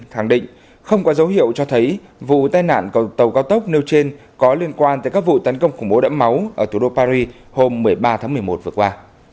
khẳng định không có dấu hiệu cho thấy vụ tai nạn tàu cao tốc nêu trên có liên quan tới các vụ tấn công khủng bố đẫm máu ở thủ đô paris hôm một mươi ba tháng một mươi một vừa qua